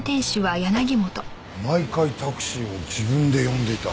毎回タクシーを自分で呼んでいた。